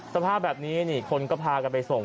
สภาพแบบนี้นี่คนก็พากันไปส่ง